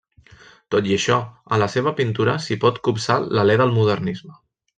Tot i això, en la seva pintura s'hi pot copsar l'alè del modernisme.